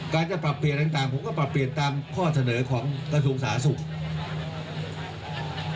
จะปรับเปลี่ยนอะไรต่างผมก็ปรับเปลี่ยนตามข้อเสนอของกระทรวงสาธารณสุข